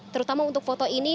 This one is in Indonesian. terutama untuk foto ini